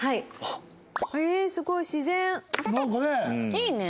いいね。